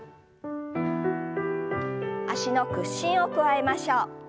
脚の屈伸を加えましょう。